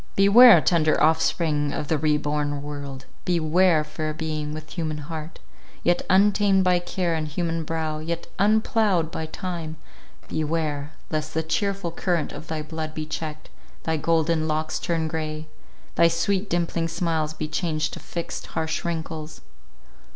Beware, tender offspring of the re born world— beware, fair being, with human heart, yet untamed by care, and human brow, yet unploughed by time—beware, lest the cheerful current of thy blood be checked, thy golden locks turn grey, thy sweet dimpling smiles be changed to fixed, harsh wrinkles!